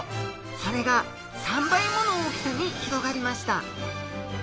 それが３倍もの大きさに広がりました。